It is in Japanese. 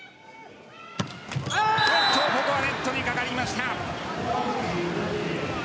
ここはネットにかかりました。